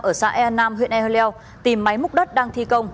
ở xã e nam huyện ehleo tìm máy múc đất đang thi công